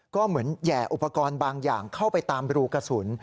ก็เหมือนแห่อุปกรณ์บางอย่างเข้าไปตามรูกระสุน